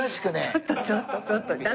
ちょっとちょっとちょっと。